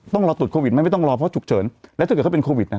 ต้องรอตรวจโควิดไหมไม่ต้องรอเพราะฉุกเฉินแล้วถ้าเกิดเขาเป็นโควิดนะ